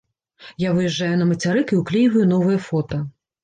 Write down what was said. Я выязджаю на мацярык і ўклейваю новае фота.